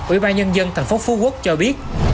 ủy ban nhân dân tp hcm cho biết